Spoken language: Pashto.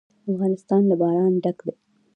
افغانستان له باران ډک دی.